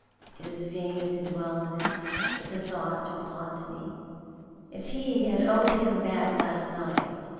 it is vain to dwell on it, but the thought will haunt me if he had only come back last night!